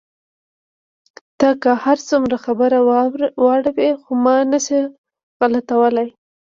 ته که هر څومره خبره واړوې، خو ما نه شې غلتولای.